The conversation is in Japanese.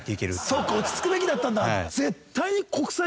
そっか落ち着くべきだったんだ。